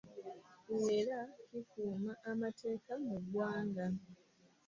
Era ekikuuma amateeka mu ggwanga